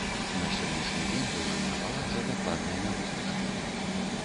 На сённяшні дзень даўжыня палаца дакладна не вызначана.